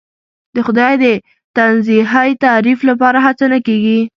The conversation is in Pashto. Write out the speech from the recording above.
د خدای د تنزیهی تعریف لپاره هڅه نه کېږي.